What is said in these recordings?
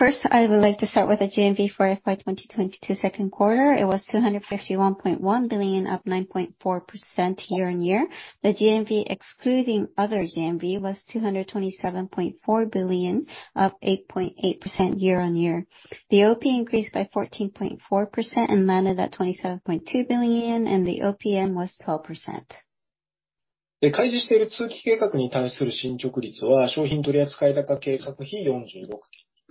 First, I would like to start with the GMV for FY 2022 second quarter. It was 251.1 billion, up 9.4% year-on-year. The GMV excluding other GMV was 227.4 billion, up 8.8% year-on-year. The OP increased by 14.4% and landed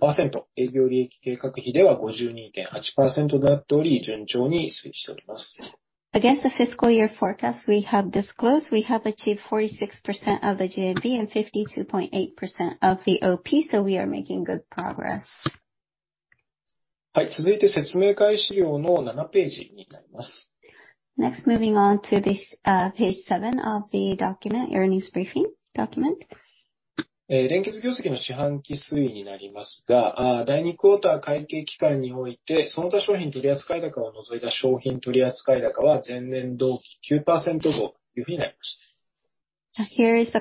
at JPY 27.2 billion, and the OPM was 12%. Against the fiscal year forecast we have disclosed, we have achieved 46% of the GMV and 52.8% of the OP, so we are making good progress. Next, moving on to this, page seven of the document, earnings briefing document. Here is the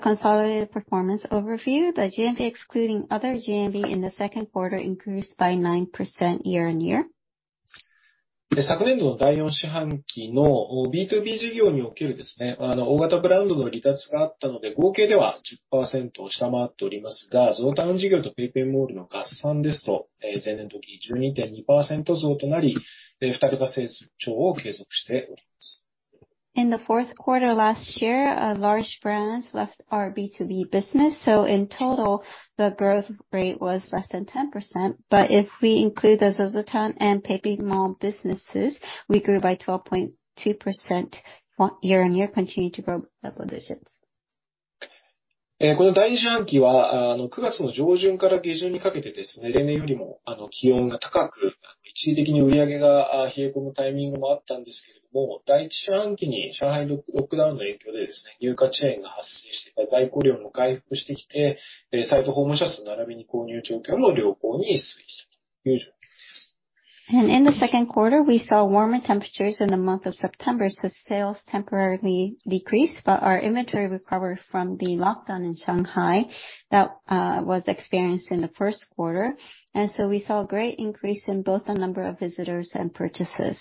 consolidated performance overview. The GMV, excluding other GMV in the second quarter, increased by 9% year-on-year. In the fourth quarter last year, large brands left our BtoB business, so in total the growth rate was less than 10%. If we include the ZOZOTOWN and PayPay Mall businesses, we grew by 12.2% year-on-year, continuing to grow double digits. In the second quarter, we saw warmer temperatures in the month of September, so sales temporarily decreased, but our inventory recovered from the lockdown in Shanghai that was experienced in the first quarter. We saw a great increase in both the number of visitors and purchases.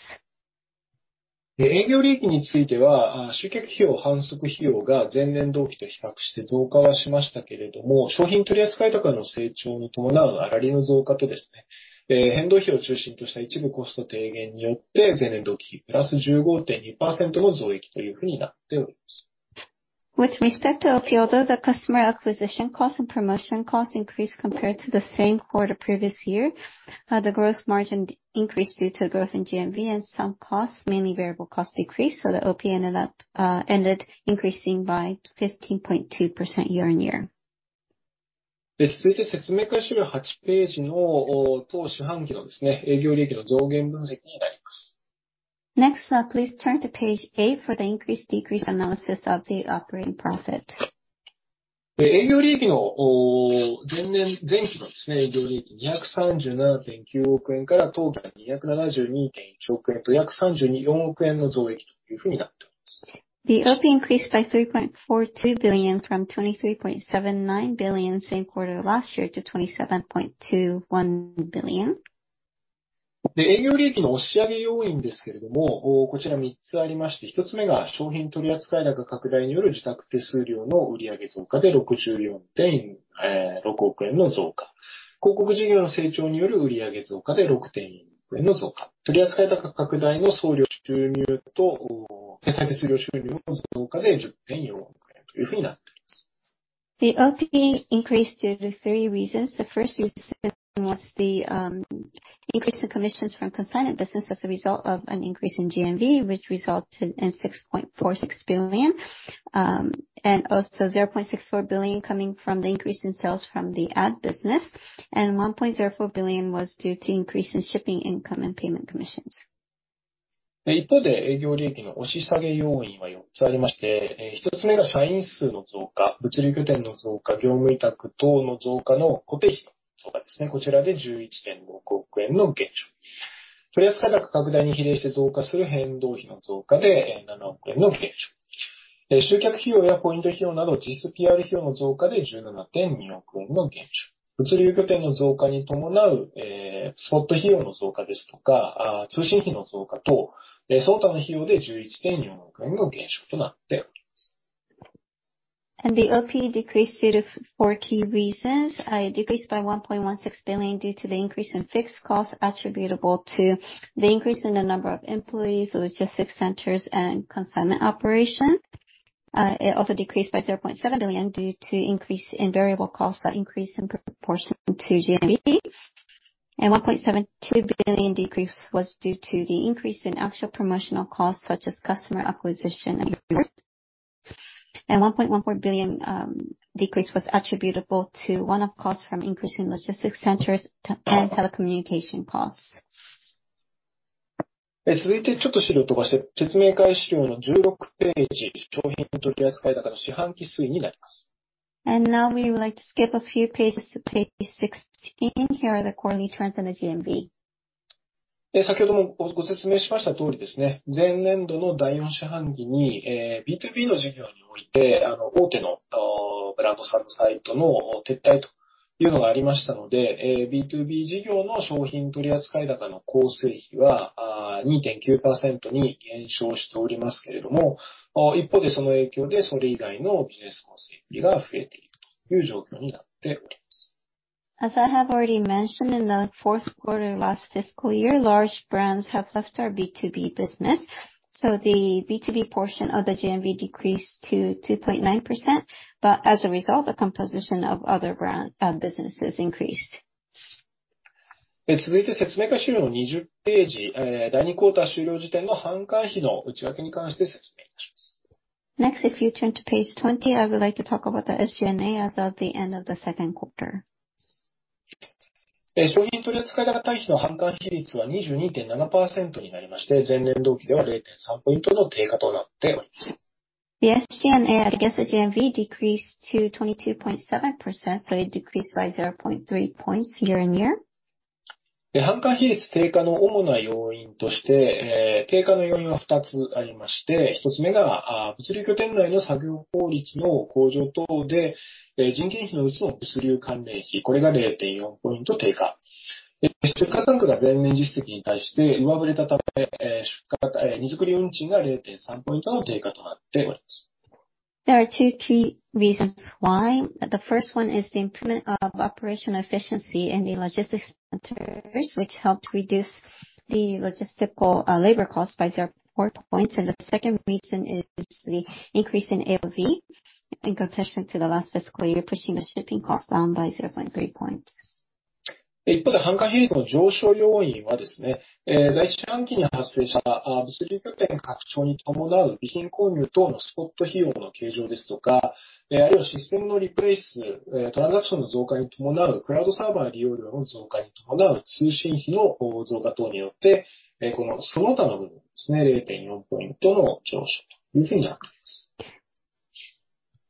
With respect to OP, although the customer acquisition costs and promotion costs increased compared to the same quarter previous year, the gross margin increased due to growth in GMV and some costs, mainly variable costs, decreased, so the OP ended up increasing by 15.2% year-on-year. Next, please turn to page eight for the increase decrease analysis of the operating profit. The OP increased by 3.42 billion from 23.79 billion same quarter last year to 27.21 billion. The OP increased due to three reasons. The first reason was the increase in commissions from consignment business as a result of an increase in GMV, which resulted in 6.46 billion, and also 0.64 billion coming from the increase in sales from the ad business, and 1.04 billion was due to increase in shipping income and payment commissions. The OP decreased due to four key reasons. It decreased by 1.16 billion due to the increase in fixed costs attributable to the increase in the number of employees, logistics centers and consignment operations. It also decreased by 0.7 billion due to increase in variable costs that increase in proportion to GMV. One point seven two billion decrease was due to the increase in actual promotional costs such as customer acquisition. 1.14 billion decrease was attributable to one-off costs from increasing logistics centers and telecommunication costs. Now we would like to skip a few pages to page 16. Here are the quarterly trends in the GMV. As I have already mentioned, in the fourth quarter last fiscal year, large brands have left our BtoB business, so the BtoB portion of the GMV decreased to 2.9%. As a result, the composition of other brand businesses increased. 続いて説明会資料の20ページ、第2クオーター終了時点の販管費の内訳に関して説明いたします。Next, if you turn to page 20, I would like to talk about the SG&A as of the end of the second quarter. 商品取り扱い高対比の販管費率は22.7%になりまして、前年同期では0.3ポイントの低下となっております。The SG&A against the GMV decreased to 22.7%, so it decreased by 0.3 points year-on-year. 販管費率低下の主な要因として、低下の要因は二つありまして、一つ目が物流拠点内の作業効率の向上等で人件費のうちの物流関連費、これが0.4ポイント低下。出荷単価が前年実績に対して上振れたため、出荷荷造運賃が0.3ポイントの低下となっております。There are two key reasons why. The first one is the improvement of operational efficiency and the logistics centers, which helped reduce the logistical labor costs by 0.4 points, and the second reason is the increase in AOV in comparison to the last fiscal year, pushing the shipping costs down by 0.3 points.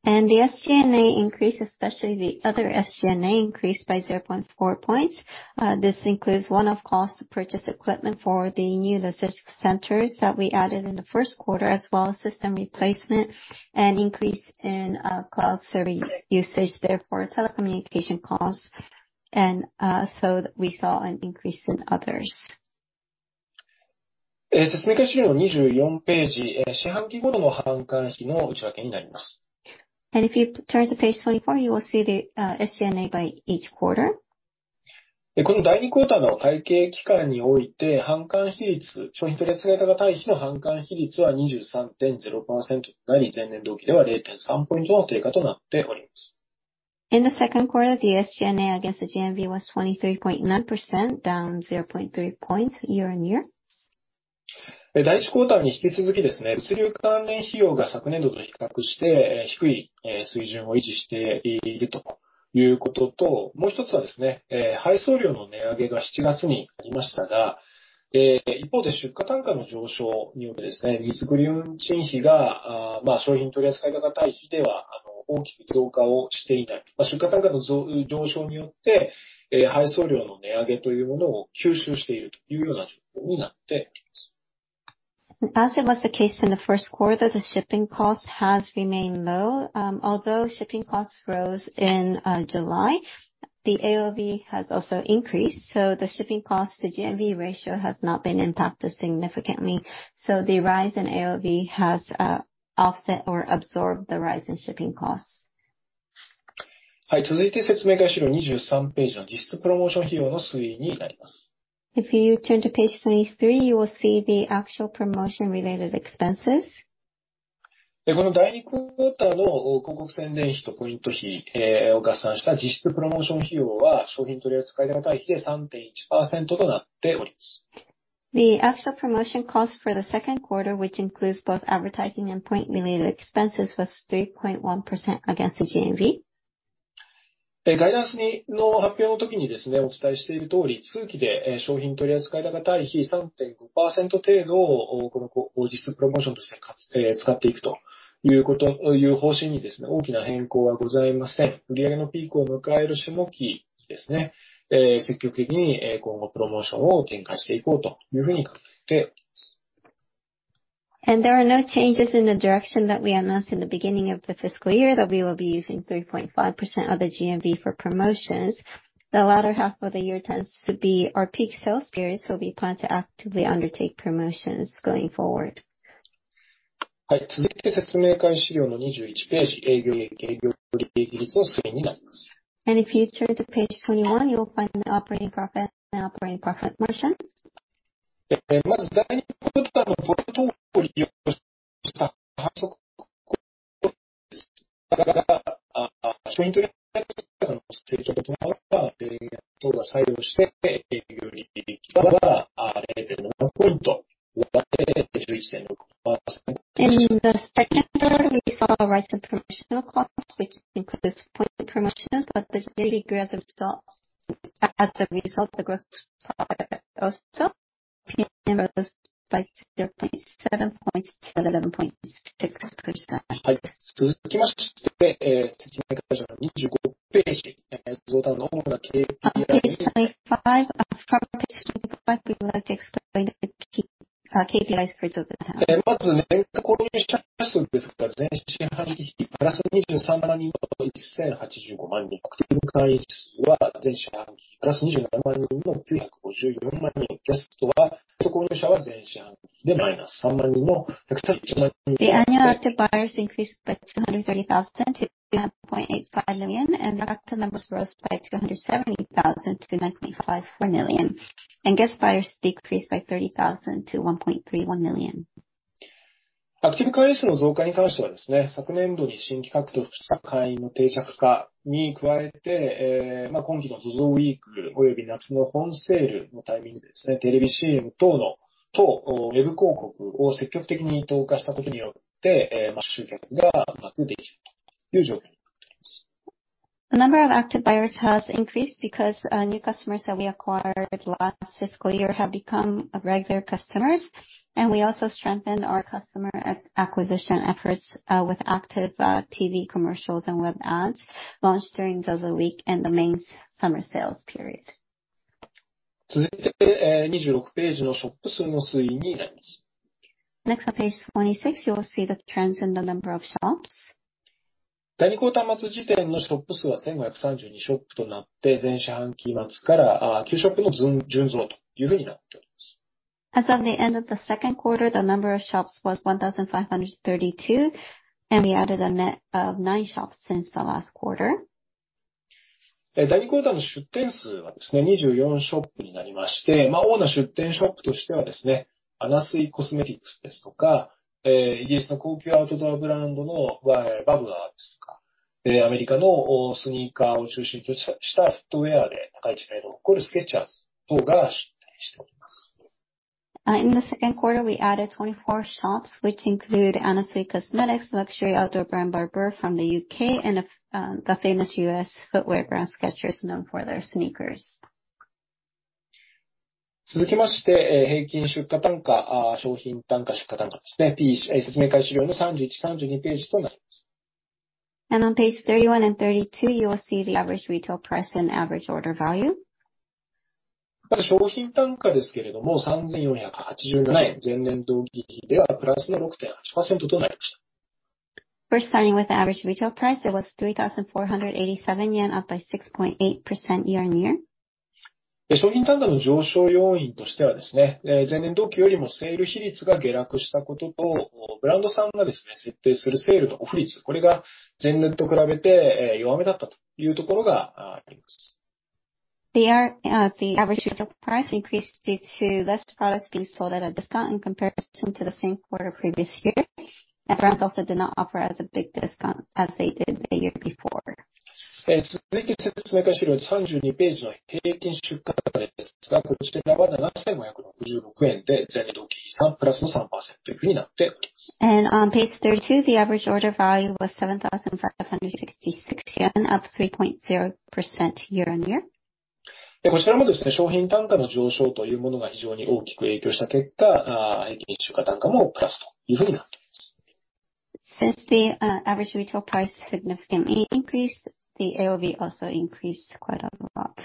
The SG&A increase, especially the other SG&A increased by 0.4 points. This includes one-off costs to purchase equipment for the new logistics centers that we added in the first quarter, as well as system replacement and increase in cloud service usage. Therefore, telecommunication costs. We saw an increase in others. 説明会資料の24ページ、四半期ごとの販管費の内訳になります。If you turn to page 24, you will see the SG&A by each quarter. この第二クオーターの会計期間において、販管費率、商品取り扱い高対比の販管費率は23.0%となり、前年同期では0.3ポイントの低下となっております。In the second quarter, the SG&A against the GMV was 23.9%, down 0.3 points year-on-year. 第一クオーターに引き続きですね、物流関連費用が昨年度と比較して低い水準を維持しているということと、もう一つはですね、配送料の値上げが7月にありましたが、一方で出荷単価の上昇によってですね、荷造運賃費が商品取り扱い高対比では大きく増加をしていない。出荷単価の上昇によって配送料の値上げというものを吸収しているというような状況になっています。As it was the case in the first quarter, the shipping cost has remained low. Although shipping costs rose in July, the AOV has also increased. The shipping cost, the GMV ratio has not been impacted significantly. The rise in AOV has offset or absorbed the rise in shipping costs. はい、続いて説明会資料23ページのディスカウントプロモーション費用の推移になります。If you turn to page 23, you will see the actual promotion related expenses. この第二クオーターの広告宣伝費とポイント費を合算した実質プロモーション費用は、商品取り扱い高対比で3.1%となっております。The actual promotion cost for the second quarter, which includes both advertising and point-related expenses, was 3.1% against the GMV. There are no changes in the direction that we announced in the beginning of the fiscal year that we will be using 3.5% of the GMV for promotions. The latter half of the year tends to be our peak sales period, so we plan to actively undertake promotions going forward. はい、続いて説明会資料の21ページ、営業利益、営業利益率の推移になります。If you turn to page 21, you will find the operating profit and operating profit margin. まず第二クオーターの売上総利益率を押し下げる要素としては、販促費、商品取り扱い高の成長に伴う原価等の採用して営業利益率は0.7ポイント低下して11.6%。In the second quarter, we saw a rise in promotional costs, which includes point promotions. As a result, the gross profit also decreased by 0.7 points to 11.6%. 続きまして、説明会資料の25ページ。Page 25. Page 25. On page 25, we would like to explain the key KPIs for ZOZOTOWN. まず購入者数ですが、前四半期比プラス23万人の1,085万人。アクティブ会員数は前四半期比プラス27万人の954万人。ゲストは、購入者は前四半期でマイナス3万人の131万人。The annual active buyers increased by 230,000 to 2.85 million and the active members rose by 270,000 to 9.54 million. Guest buyers decreased by 30,000 to 1.31 million. アクティブ会員数の増加に関してはですね、昨年度に新規獲得した会員の定着化に加えて、今期のZOZOWEEKおよび夏の本セールのタイミングでですね、テレビCM等のウェブ広告を積極的に投下したことによって、集客がうまくできたという状況になっております。The number of active buyers has increased because new customers that we acquired last fiscal year have become regular customers, and we also strengthened our customer acquisition efforts with active TV commercials and web ads launched during ZOZOWEEK and the main summer sales period. 続いて、26ページのショップ数の推移になります。Next on page 26, you will see the trends in the number of shops. 第二四半期末時点のショップ数は1,532ショップとなって、前四半期末から、9ショップの純増という風になっております。As of the end of the second quarter, the number of shops was 1,532, and we added a net of 9 shops since the last quarter. 第二四半期の出店数はですね、24ショップになりまして、主な出店ショップとしてはですね、Anna Sui Cosmeticsですとか、イギリスの高級アウトドアブランドのBarbourですとか、アメリカのスニーカーを中心としたフットウェアで高い知名度を誇るSkechersなどが出店しております。In the second quarter, we added 24 shops, which include Anna Sui Cosmetics, luxury outdoor brand Barbour from the U.K., and the famous U.S. footwear brand Skechers, known for their sneakers. 続きまして、平均出荷単価、商品単価、出荷単価ですね。説明開始資料の31、32ページとなります。On page 31 and 32, you will see the average retail price and average order value. まず商品単価ですけれども、¥3,487、前年同期比ではプラス6.8%となりました。First starting with the average retail price, it was 3,487 yen, up by 6.8% year-on-year. 商品単価の上昇要因としてはですね、前年同期よりもセール比率が下落したことと、ブランドさんがですね、設定するセールのオフ率、これが前年と比べて、弱めだったというところがあります。This year, the average retail price increased due to less products being sold at a discount in comparison to the same quarter previous year. Brands also did not offer as a big discount as they did the year before. 続いて説明資料32ページの平均出荷単価ですが、こちらは¥7,566で前年同期比+3%という風になっております。On page 32, the average order value was 7,566 yen, up 3.0% year-on-year. こちらもですね、商品単価の上昇というものが非常に大きく影響した結果、平均出荷単価もプラスという風になっております。Since the average retail price significantly increased, the AOV also increased quite a lot.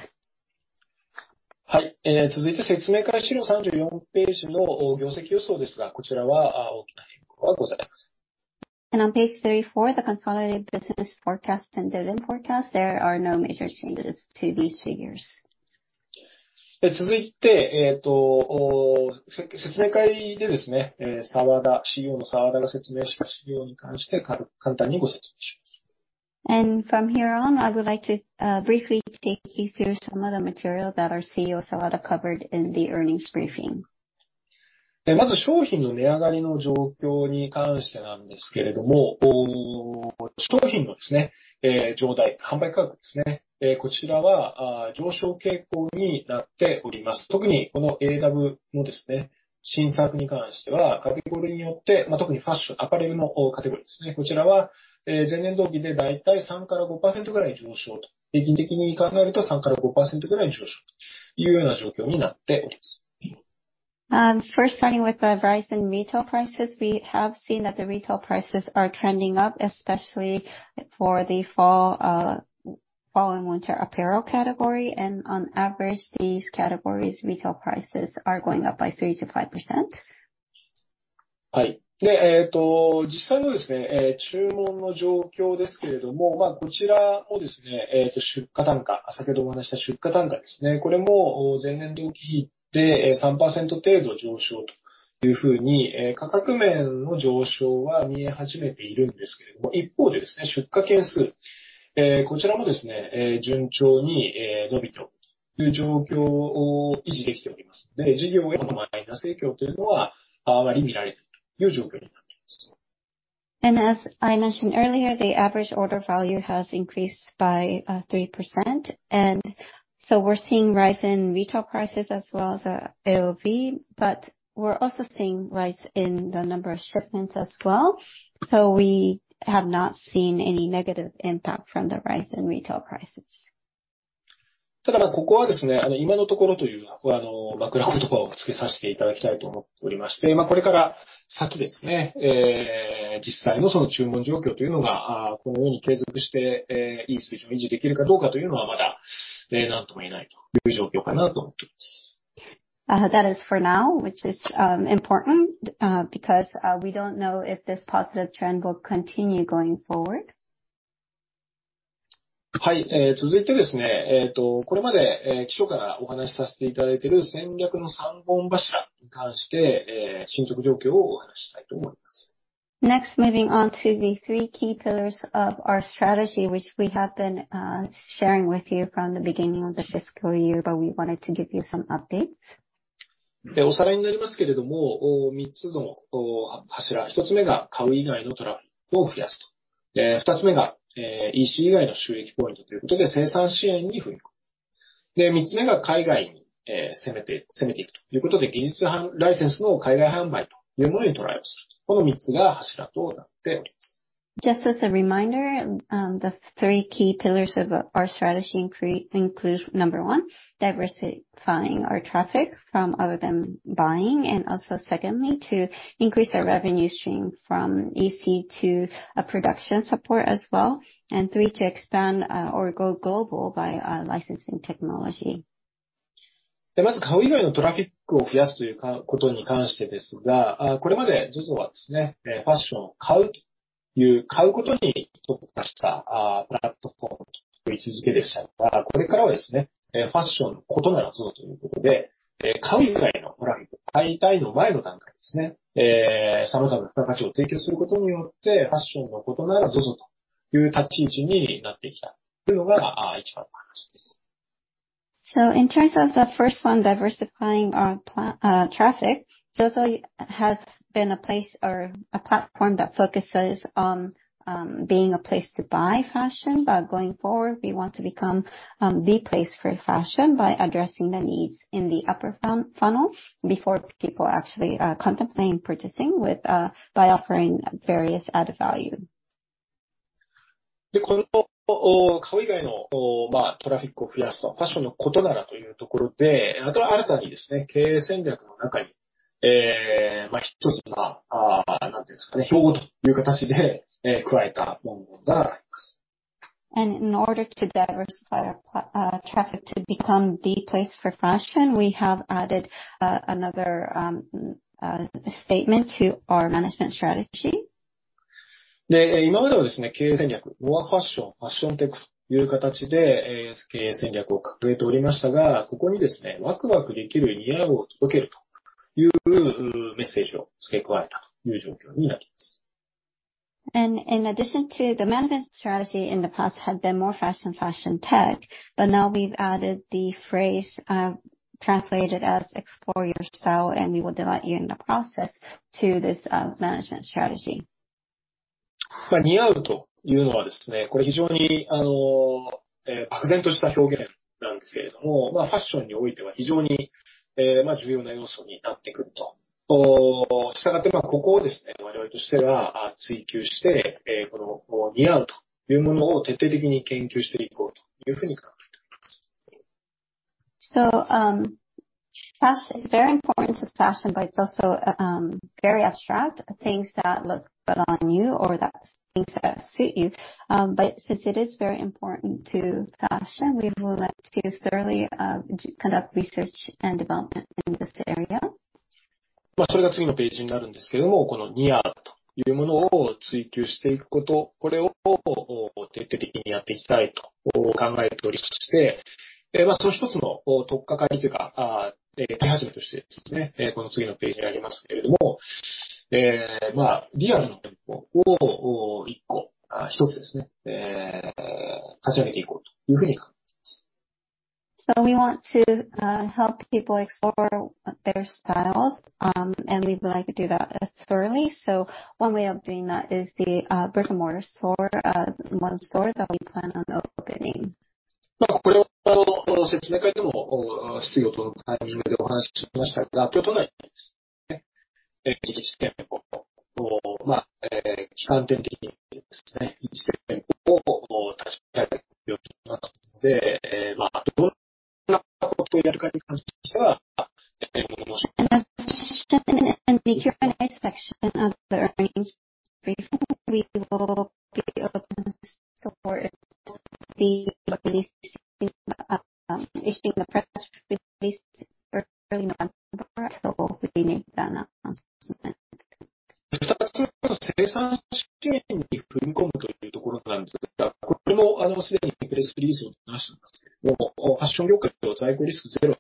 続いて説明開始資料三十四ページの業績予想ですが、こちらは大きな変更はございません。On page 34, the consolidated business forecast and dividend forecast, there are no major changes to these figures. 続いて、説明会でですね、澤田 CEOの澤田が説明した資料に関して、簡単にご説明します。From here on, I would like to briefly take you through some of the material that our CEO, Sawada, covered in the earnings briefing. まず商品の値上がりの状況に関してなんですけれども、商品の上代、販売価格ですね、こちらは上昇傾向になっております。特にこのAWの新作に関しては、カテゴリによって、特にファッション、アパレルのカテゴリですね。こちらは前年同期で大体3〜5%ぐらい上昇と。平均的に考えると3〜5%ぐらい上昇というような状況になっております。First starting with the rise in retail prices, we have seen that the retail prices are trending up, especially for the fall and winter apparel category. On average, these categories retail prices are going up by 3% to 5%. 実際の注文の状況ですけれども、こちらもですね、出荷単価、先ほどお話しした出荷単価ですね。これも、前年同期比で3%程度上昇というふうに、価格面の上昇は見え始めているんですけれども、一方でですね、出荷件数、こちらもですね、順調に伸びておるという状況を維持できておりますので、事業へのマイナス影響というのは、割見られていないという状況になっております。As I mentioned earlier, the average order value has increased by 3%. We're seeing rise in retail prices as well as AOV, but we're also seeing rise in the number of shipments as well. We have not seen any negative impact from the rise in retail prices. ただ、ここはですね、今のところという枕言葉をつけさせていただきたいと思っておりまして、これから先ですね、実際の注文状況というのがこのように継続していい水準を維持できるかどうかというのは、まだ何とも言えないという状況かなと思っております。That is for now, which is important because we don't know if this positive trend will continue going forward. はい。続いてですね、これまで期初からお話しさせていただいている戦略の三本柱に関して進捗状況をお話ししたいと思います。Next, moving on to the three key pillars of our strategy, which we have been sharing with you from the beginning of the fiscal year. We wanted to give you some updates. おさらいになりますけれども、三つの柱、一つ目が買う以外のトラフィックを増やすと。二つ目がEC以外の収益ポイントということで、生産支援に踏み込む。三つ目が海外に攻めていくということで、技術ライセンスの海外販売というものにトライをする。この三つが柱となっております。Just as a reminder, the three key pillars of our strategy include, number one, diversifying our traffic from other than buying, and also secondly, to increase our revenue stream from AC to a production support as well. Three, to expand or go global by licensing technology. まず、買う以外のトラフィックを増やすということに関してですが、これまでZOZOはですね、ファッションを買うという、買うことに特化したプラットフォームという位置づけでしたが、これからはですね、ファッションのコトならZOZOということで、買う以外のトラフィック、買いたい前の段階ですね。様々な付加価値を提供することによって、ファッションのコトならZOZOという立ち位置になってきたというのが一番の話です。In terms of the first one, diversifying our traffic has been a place or a platform that focuses on being a place to buy fashion. Going forward, we want to become the place for fashion by addressing the needs in the upper funnel before people actually contemplating purchasing with by offering various added value. この買以外のトラフィックを増やすと。ファッションのコトならというところで、新たにですね、経営戦略の中に一つの、何て言うんですかね、標語という形で加えたものがあります。In order to diversify our traffic to become the place for fashion, we have added another statement to our management strategy. 今までではですね、経営戦略、MORE FASHION、FASHION TECHという形で経営戦略を掲げておりましたが、ここにですね、ワクワクできる似合うを届けるというメッセージを付け加えたという状況になります。In addition to the management strategy in the past had been MORE FASHION × FASHION TECH. Now we've added the phrase translated as explore yourself and we will delight you in the process to this management strategy. 似合うというのはですね、これ非常に漠然とした表現なんですけれども、ファッションにおいては非常に重要な要素になってくると。従って、ここをですね、我々としては追求して、この似合うというものを徹底的に研究していこうというふうに考えております。It's very important to fashion, but it's also very abstract things that look good on you or that things that suit you. Since it is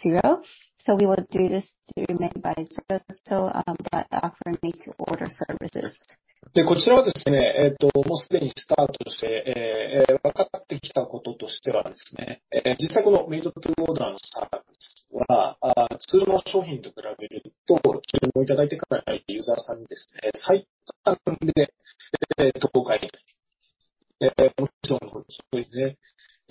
very important to fashion, we would like to thoroughly conduct research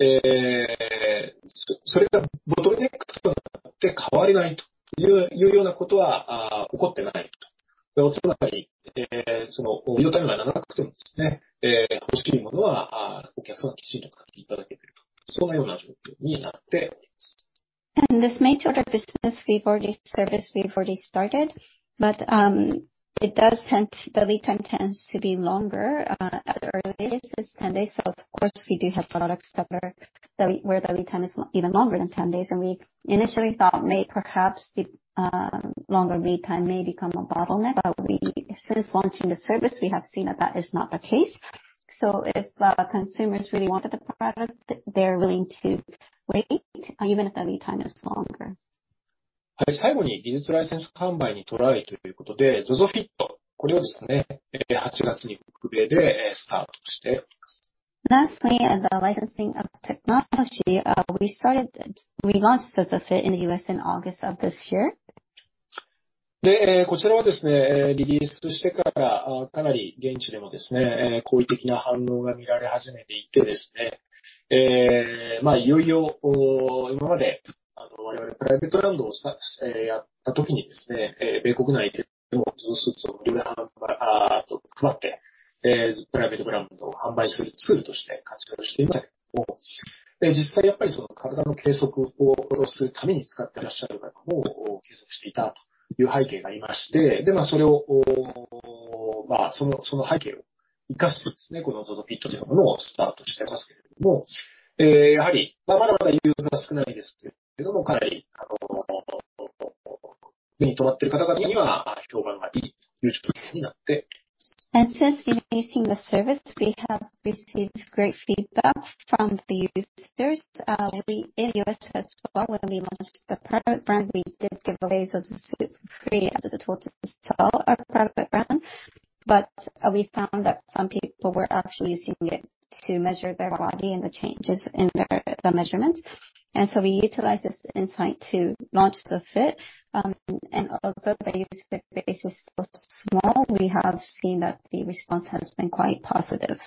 and development in this area. それが次のページになるんですけれども、この似合うというものを追求していくこと、これを徹底的にやっていきたいと考えておりまして、その一つの取っ掛かりとか手始めとしてですね、この次のページに挙げますけれども、リアルな店舗を一個、一つですね、立ち上げていこうというふうに考えています。We want to help people explore their styles and we would like to do that thoroughly. One way of doing that is the brick-and-mortar store, one store that we plan on opening. これを説明会でも質疑応答のタイミングでお話ししましたけど、東京都内にですね、実店舗を基幹店的にですね、実店舗を立ち上げたいと思ってますので、どんなことをやるかに関しましてはもう少々。Section of the range. We will be open for the issuing press release early November. We make that announcement. 二つ目、生産支援に踏み込むというところなんですが、これもすでにプレスリリースを出してますけども、ファッション業界では在庫リスクゼロでということで、立ち上がってきたんですね。この生産ですね。Made by ZOZOという形で、そういうものを展開していく。The second area is production support. We also issued a press release about this as well, but we have launched Made by ZOZO their own platform product brand business and we would like to reduce the risk for the fashion industry to zero. We will do this to brands by ZOZO, but offer made-to-order services. こちらはですね、もうすでにスタートして、わかってきたこととしてはですね、実際このmade-to-orderのサービスは、普通の商品と比べると、注文いただいてからユーザーさんにですね、最短で、合計で、五日ほどですね。それがボトルネックとなって変わらないというようなことは起こってないと。つまり、そのリードタイムが長くてもですね、欲しがるものはお客様にしっかり買っていただけていると、そんなような状況になっております。This made-to-order business we've already started. The lead time tends to be longer. At the earliest, it's 10 days. Of course, we do have products where the lead time is even longer than 10 days. We initially thought perhaps the longer lead time may become a bottleneck. Since launching the service, we have seen that is not the case. If consumers really wanted the product, they're willing to wait even if the lead time is longer. 最後に技術ライセンス販売にトライということで、ZOZOFIT、これをですね、8月に北米でスタートしております。Lastly, as a licensing of technology, we launched ZOZOFIT in the U.S. in August of this year. Since releasing the service, we have received great feedback from the users. In the U.S. as well. When we launched the private brand, we did giveaways of the suit free as a tool to sell our private brand, but we found that some people were actually using it to measure their body and the changes in their measurements. We utilized this insight to launch the fit. Although the user base is still small, we have seen that the response has been quite positive.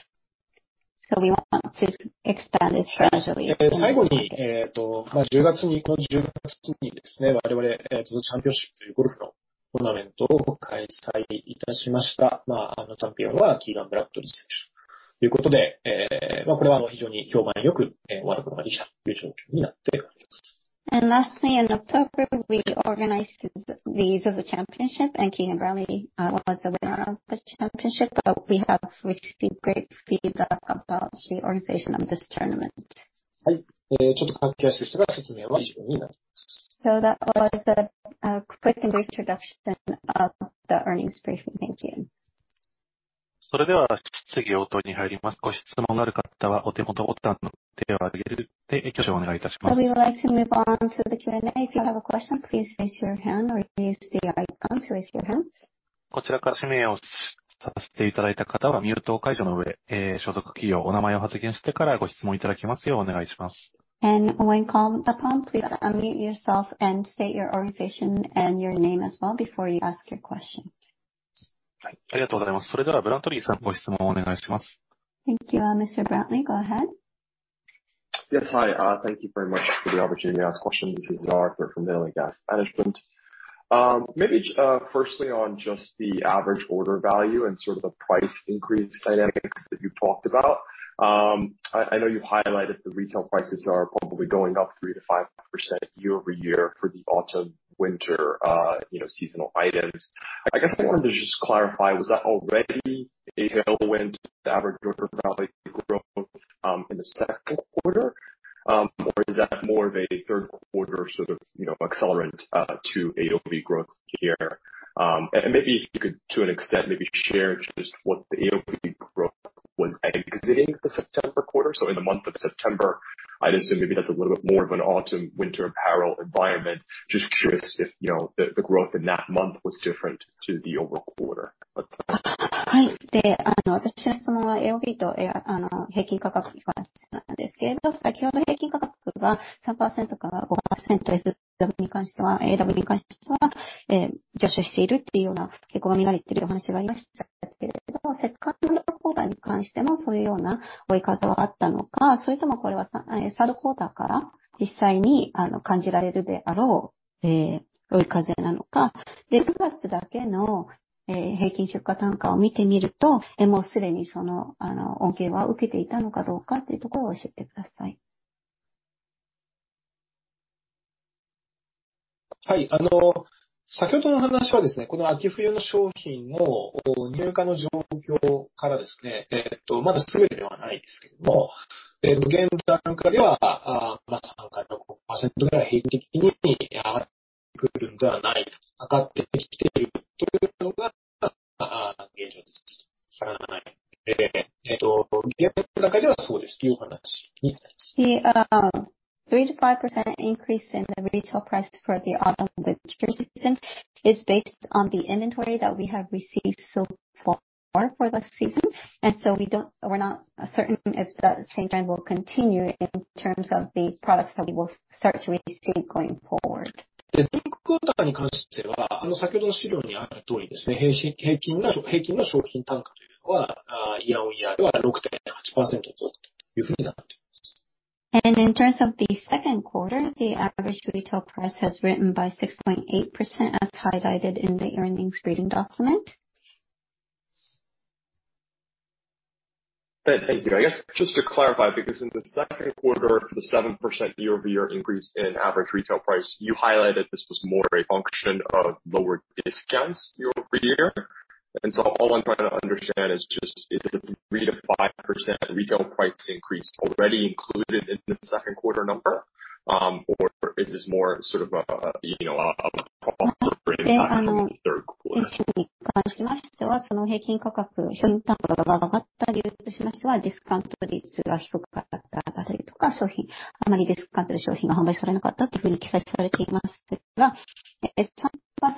We want to expand this gradually. 最後に、十月に、我々、ZOZO CHAMPIONSHIPというゴルフのトーナメントを開催いたしました。チャンピオンはキーガン・ブラッドリー選手ということで、これは非常に評判良く終わることができたという状況になっております。Lastly, in October we organized the ZOZO CHAMPIONSHIP, and Keegan Bradley was the winner of the championship. We have received great feedback about the organization of this tournament. ちょっと駆け足でしたが、説明は以上になります。That was a quick and brief introduction of the earnings briefing. Thank you. それでは質疑応答に入ります。ご質問のある方はお手元ボタンの手を挙げて挙手をお願いいたします。We would like to move on to the Q&A. If you have a question, please raise your hand or use the icon to raise your hand. こちらから指名をさせていただいた方はミュート解除の上、所属企業、お名前を発言してからご質問いただきますようお願いします。When called upon, please unmute yourself and state your organization and your name as well before you ask your question. はい、ありがとうございます。それではブラッドリーさん、ご質問をお願いします。Thank you. Mr. Arthur. Go ahead. Yes. Hi. Thank you very much for the opportunity to ask questions. This is Arthur from Merrill Lynch. Maybe firstly on just the average order value and sort of the price increase dynamics that you've talked about. I know you've highlighted the retail prices are probably going up 3%-5% year-over-year for the autumn winter, you know, seasonal items. I guess I wanted to just clarify, was that already a tailwind to the average order value growth in the second quarter? Or is that more of a third quarter sort of, you know, accelerant to AOV growth here? Maybe if you could to an extent, maybe share just what the AOV growth was exiting the September quarter. In the month of September, I'd assume maybe that's a little bit more of an autumn winter apparel environment. Just curious if, you know, the growth in that month was different to the overall quarter. はい。私の質問はAOVと平均価格に関してなんですけれど、先ほどの平均価格が3%から5%に関してはAOVに関しては上昇しているっていうような傾向にあるっていうお話がありましたけれど、セカンドクオーターに関してもそういうような追い風はあったのか、それともサードクオーターから実際に感じられるであろう追い風なのか、9月だけの平均出荷単価を見てみると、もうすでにその恩恵は受けていたのかどうかというところを教えてください。はい。先ほどの話はですね、この秋冬の商品の入荷の状況からですね、まだ全てではないですけども、現段階では、まあ3から6%ぐらい平均的に上がって The three to five percent increase in the retail price for the autumn winter season is based on the inventory that we have received so far for this season. We're not certain if that same trend will continue in terms of the products that we will start to receive going forward. In terms of the second quarter, the average retail price has risen by 6.8%, as highlighted in the earnings release document. Thank you. I guess just to clarify, because in the second quarter, the 7% year-over-year increase in average retail price, you highlighted this was more a function of lower discounts year-over-year. All I'm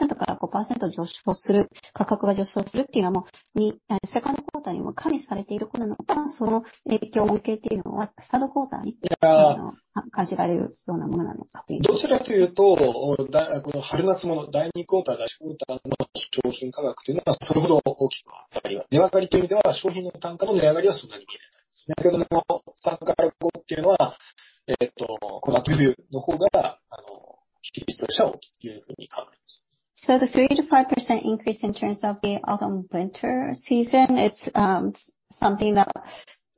trying to understand is just is the 3%-5% retail price increase already included in the second quarter number. Or is this more sort of a, you know, a frame for the third quarter? The 3%-5% increase in terms of the autumn winter season, it's something that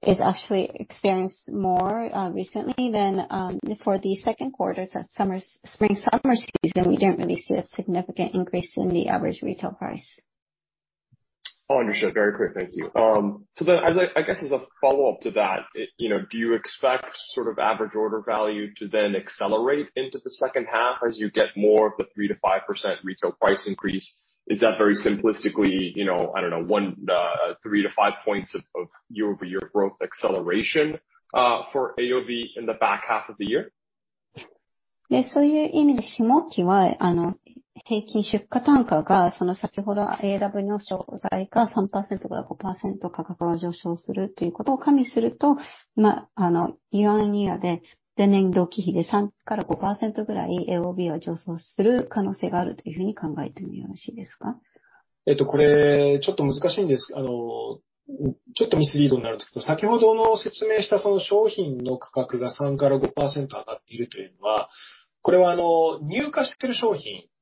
is actually experienced more recently than for the second quarter. The spring summer season, we don't really see a significant increase in the average retail price. All understood. Very clear. Thank you. I guess as a follow up to that, you know, do you expect sort of average order value to then accelerate into the second half as you get more of the 3%-5% retail price increase? Is that very simplistically, you know, I don't know, 1, 3-5 points of year-over-year growth acceleration for AOV in the back half of the year.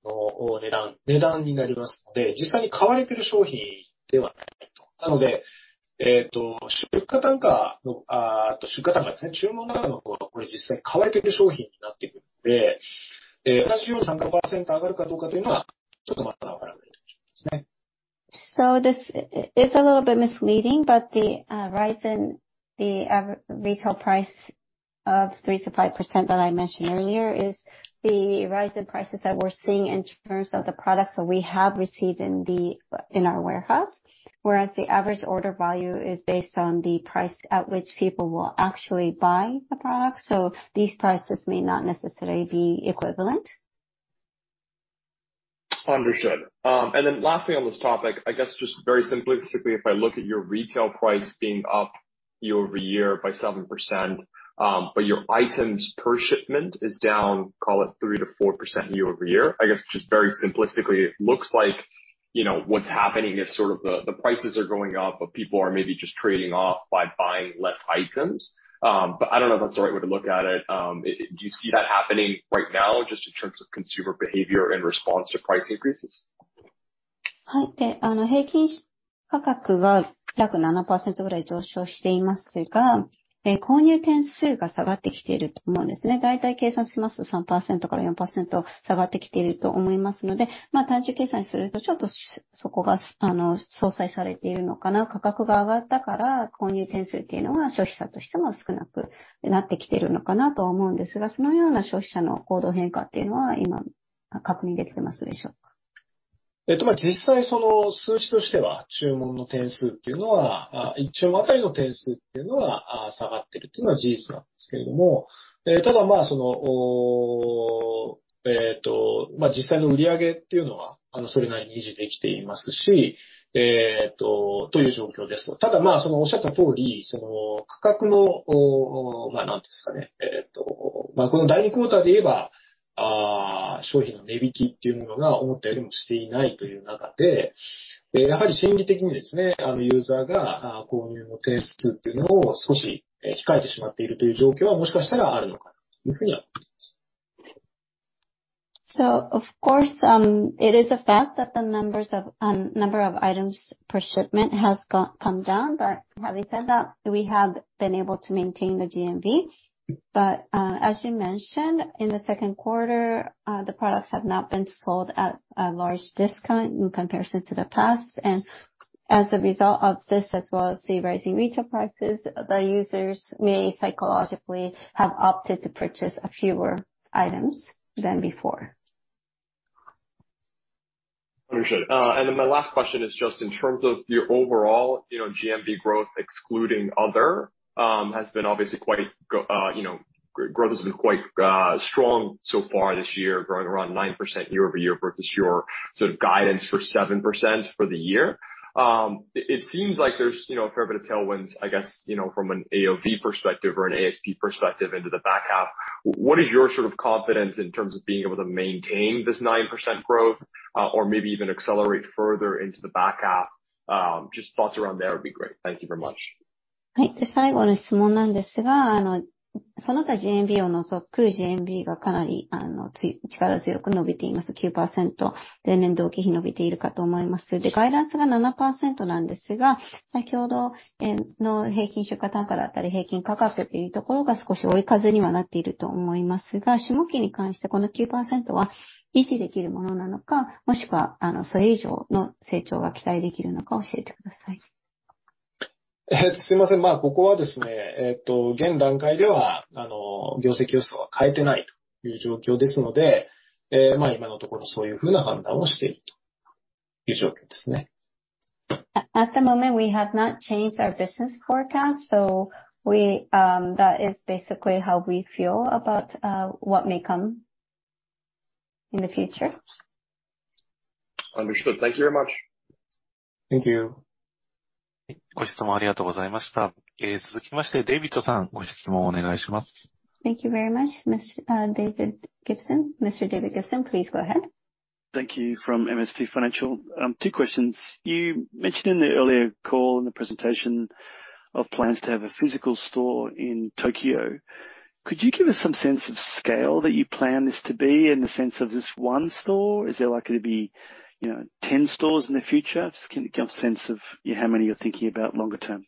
This is a little bit misleading, but the rise in the retail price of 3%-5% that I mentioned earlier is the rise in prices that we're seeing in terms of the products that we have received in our warehouse, whereas the average order value is based on the price at which people will actually buy the product. These prices may not necessarily be equivalent. Understood. Lastly on this topic, I guess just very simplistically, if I look at your retail price being up year-over-year by 7%, but your items per shipment is down, call it 3% -4% year-over-year. I guess just very simplistically, it looks like, you know, what's happening is sort of the prices are going up, but people are maybe just trading off by buying less items. I don't know if that's the right way to look at it. Do you see that happening right now just in terms of consumer behavior in response to price increases? Of course, it is a fact that the number of items per shipment has come down. Having said that, we have been able to maintain the GMV. As you mentioned, in the second quarter, the products have not been sold at a large discount in comparison to the past. As a result of this, as well as the rising retail prices, the users may psychologically have opted to purchase a fewer items than before. Understood. My last question is just in terms of your overall, you know, GMV growth excluding other has been obviously quite strong so far this year, growing around 9% year-over-year versus your sort of guidance for 7% for the year. It seems like there's, you know, a fair bit of tailwinds, I guess, you know, from an AOV perspective or an ASP perspective into the back half. What is your sort of confidence in terms of being able to maintain this 9% growth or maybe even accelerate further into the back half? Just thoughts around there would be great. Thank you very much. At the moment we have not changed our business forecast. We, that is basically how we feel about, what may come in the future. Understood. Thank you very much. Thank you. Thank you very much. Mr. David Gibson. Mr. David Gibson, please go ahead. Thank you. From MST Financial. 2 questions. You mentioned in the earlier call in the presentation of plans to have a physical store in Tokyo. Could you give us some sense of scale that you plan this to be in the sense of just one store? Is there likely to be, you know, 10 stores in the future? Just can you give a sense of how many you're thinking about longer term?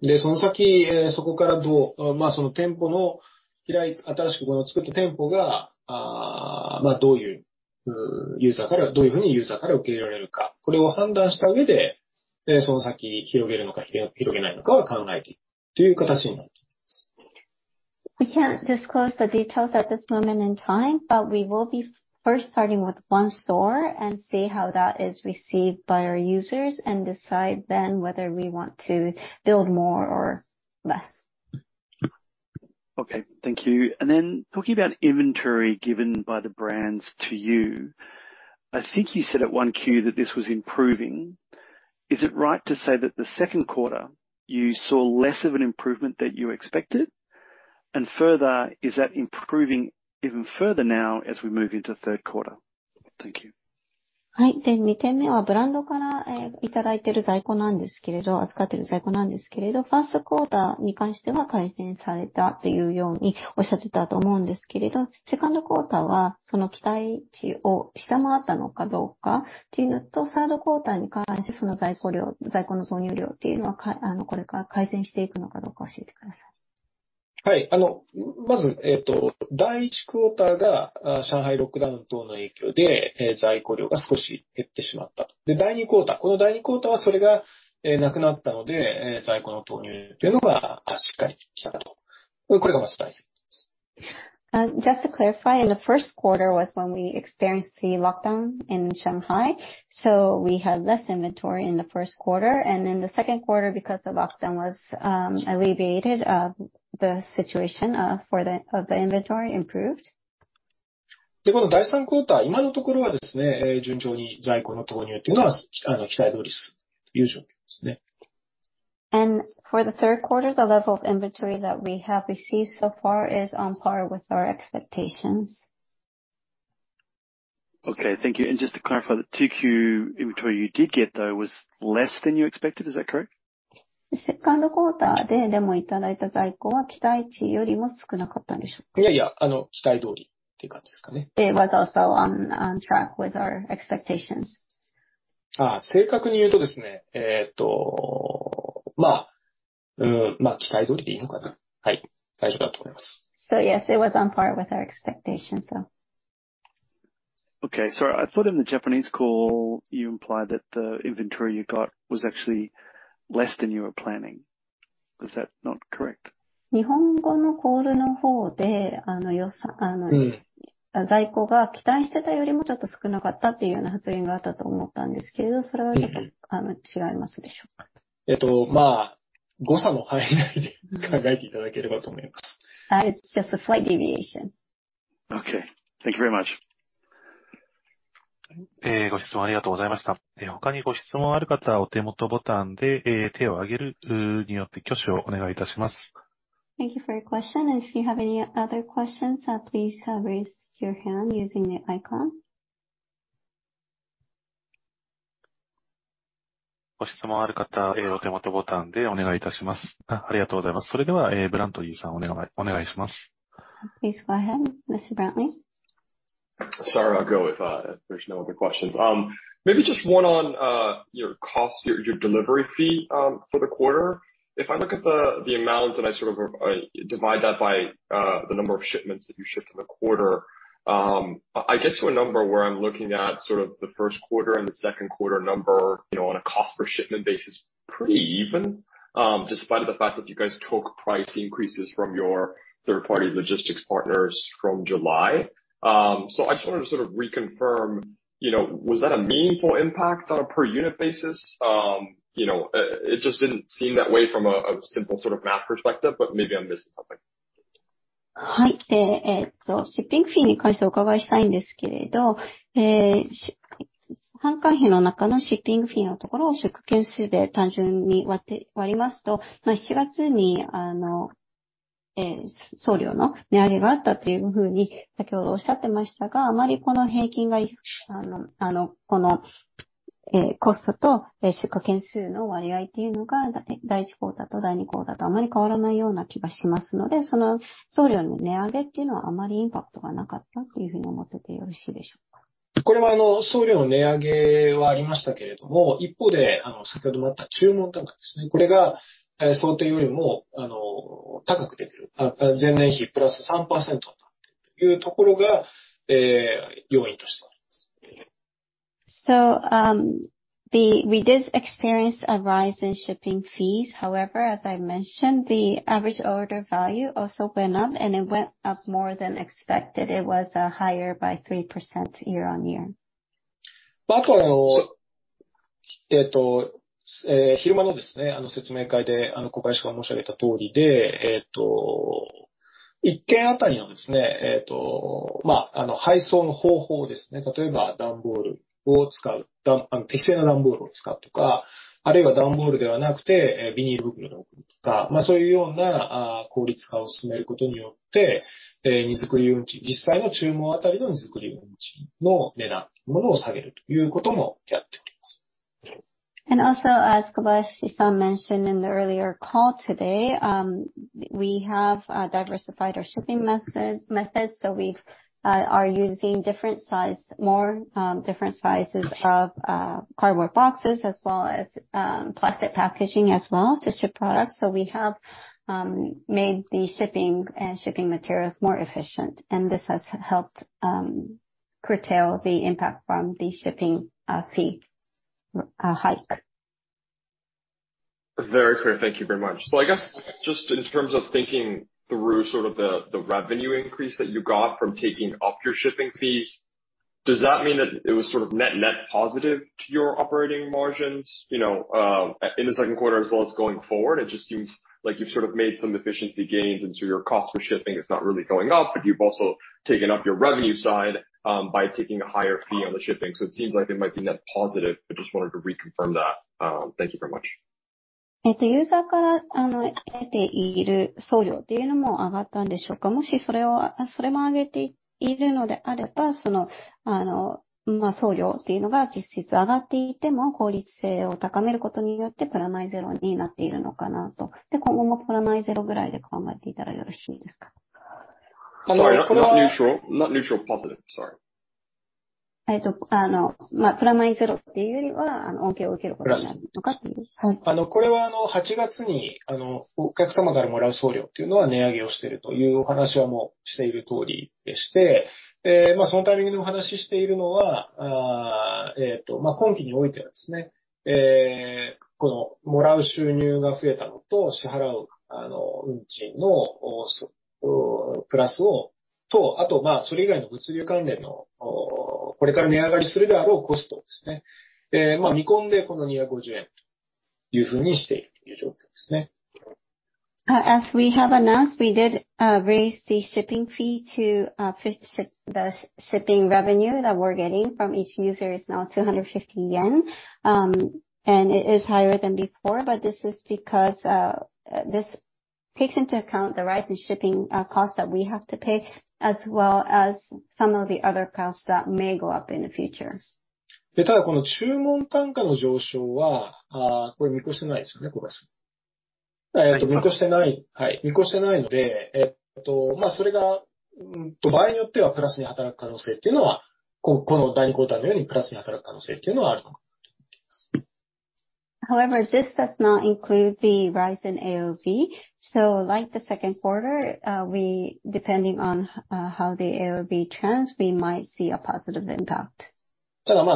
We can't disclose the details at this moment in time, but we will be first starting with one store and see how that is received by our users and decide then whether we want to build more or less. Okay, thank you. Talking about inventory given by the brands to you, I think you said at one Q that this was improving. Is it right to say that the second quarter you saw less of an improvement than you expected? Further, is that improving even further now as we move into third quarter? Thank you. Just to clarify, in the first quarter was when we experienced the lockdown in Shanghai. We had less inventory in the first quarter. In the second quarter because the lockdown was alleviated, the situation of the inventory improved. For the third quarter, the level of inventory that we have received so far is on par with our expectations. Okay. Thank you. Just to clarify, the 2Q inventory you did get though, was less than you expected. Is that correct? It was also on track with our expectations. Yes, it was on par with our expectations, so. Okay. Sorry, I thought in the Japanese call you implied that the inventory you got was actually less than you were planning. Was that not correct? It's just a slight deviation. Okay. Thank you very much. Thank you for your question. If you have any other questions, please raise your hand using the icon. Please go ahead, Mr. Bradley. Sorry. I'll go if there's no other questions. Maybe just one on your cost, your delivery fee for the quarter. If I look at the amount and I sort of divide that by the number of shipments that you shipped in the quarter, I get to a number where I'm looking at sort of the first quarter and the second quarter number, you know, on a cost per shipment basis, pretty even, despite of the fact that you guys took price increases from your third party logistics partners from July. So I just wanted to sort of reconfirm, you know, was that a meaningful impact on a per unit basis? You know, it just didn't seem that way from a simple sort of math perspective, but maybe I'm missing something. We did experience a rise in shipping fees. However, as I mentioned, the average order value also went up and it went up more than expected. It was higher by 3% year-on-year. As Kobayashi-san mentioned in the earlier call today, we have diversified our shipping methods. We are using more different sizes of cardboard boxes as well as plastic packaging as well to ship products. We have made the shipping materials more efficient. This has helped curtail the impact from the shipping fee hike. Very clear. Thank you very much. I guess just in terms of thinking through sort of the revenue increase that you got from taking up your shipping fees, does that mean that it was sort of net positive to your operating margins, you know, in the second quarter as well as going forward? It just seems like you've sort of made some efficiency gains into your cost for shipping. It's not really going up, but you've also taken up your revenue side by taking a higher fee on the shipping. It seems like it might be net positive. I just wanted to reconfirm that. Thank you very much. Sorry. Not neutral. Positive. Sorry. As we have announced, we did raise the shipping fee to the shipping revenue that we're getting from each user is now 250 yen. It is higher than before. This is because this takes into account the rise in shipping costs that we have to pay, as well as some of the other costs that may go up in the future. However, this does not include the rise in AOV. Like the second quarter, we depending on how the AOV trends, we might see a positive impact. Having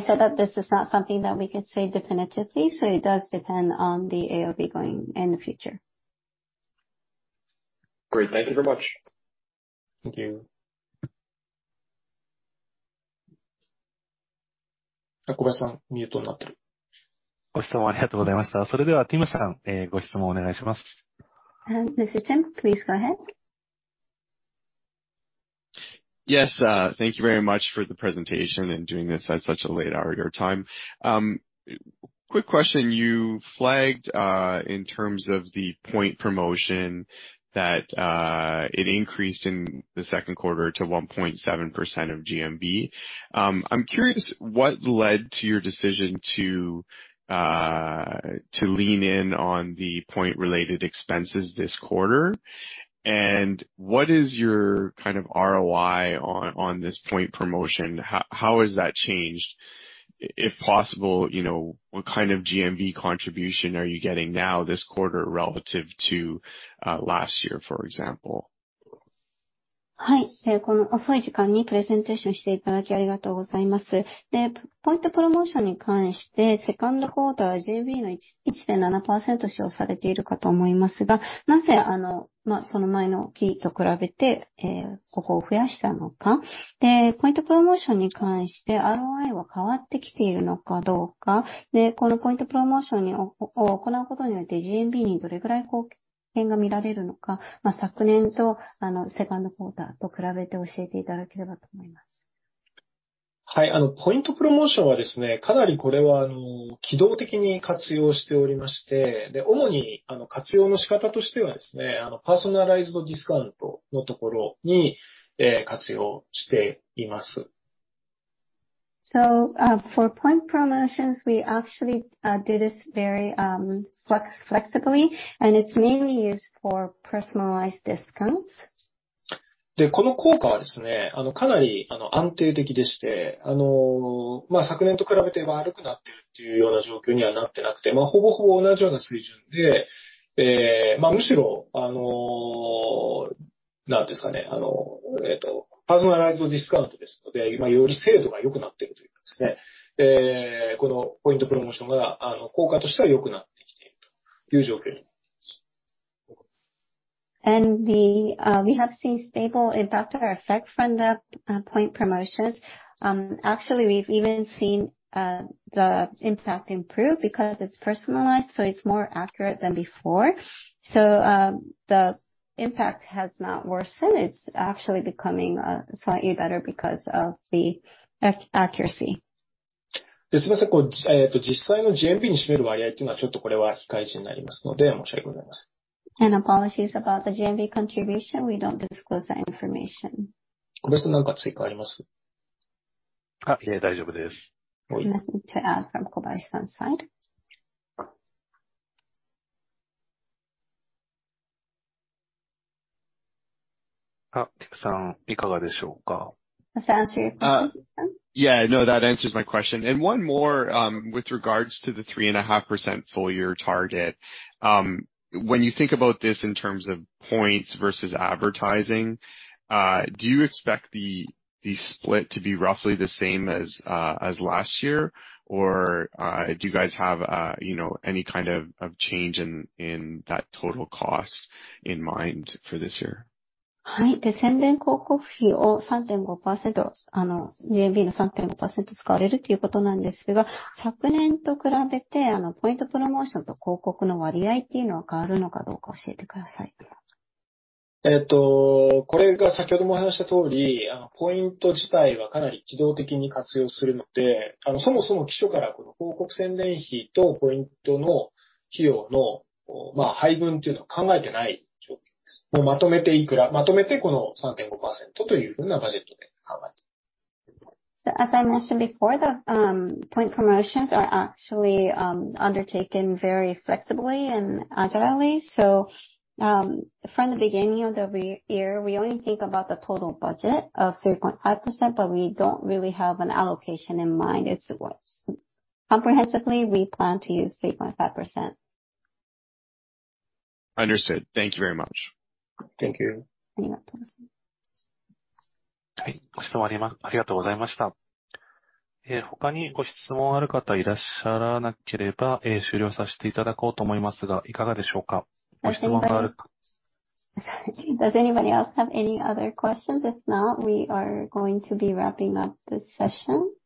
said that, this is not something that we could say definitively. It does depend on the AOV going in the future. Great. Thank you very much. Thank you. Mr. Tim, please go ahead. Yes. Thank you very much for the presentation and doing this at such a late hour your time. Quick question. You flagged, in terms of the point promotion that, it increased in the second quarter to 1.7% of GMV. I'm curious what led to your decision to to lean in on the point related expenses this quarter? And what is your kind of ROI on this point promotion? How has that changed? If possible, you know, what kind of GMV contribution are you getting now this quarter relative to last year, for example? はい。ポイントプロモーションはですね、かなりこれは機動的に活用しておりまして、主に、活用の仕方としてはですね、パーソナライズドディスカウントのところに、活用しています。For point promotions, we actually do this very flexibly, and it's mainly used for personalized discounts. この効果はですね、かなり安定的でして、昨年と比べて悪くなってるというような状況にはなってなくて、ほぼほぼ同じような水準で。むしろ、パーソナライズドディスカウントですので、より精度が良くなってるというかですね、このポイントプロモーションが、効果としては良くなってきているという状況になります。We have seen stable impact or effect from the point promotions. Actually, we've even seen the impact improve because it's personalized, so it's more accurate than before. The impact has not worsened. It's actually becoming slightly better because of the accuracy. GMVに占める割合については、非開示となりますので、申し訳ございません。Apologies about the GMV contribution. We don't disclose that information. 小林さん、なんか追加ありますか？ あっ、いえ大丈夫です。はい。Nothing to add from Kobayashi-san's side. ティフさん、いかがでしょうか。Asan to you. Yeah, no, that answers my question. One more. With regards to the 3.5% full year target. When you think about this in terms of points versus advertising, do you expect the split to be roughly the same as last year? Or do you guys have you know any kind of change in that total cost in mind for this year? As I mentioned before, the point promotions are actually undertaken very flexibly and agilely. From the beginning of the year, we only think about the total budget of 3.5%, but we don't really have an allocation in mind. It's comprehensively we plan to use 3.5%. Understood. Thank you very much. Thank you. ありがとうございます。はい、ご質問ありがとうございました。他にご質問ある方いらっしゃらなければ、終了させていただこうと思いますが、いかがでしょうか。ご質問があるか... Does anybody else have any other questions? If not, we are going to be wrapping up this session.